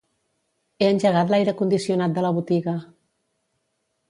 He engegat l'aire condicionat de la botiga